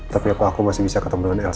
tapi apa aku masih bisa ketemu dengan elsa pak